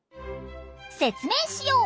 説明しよう。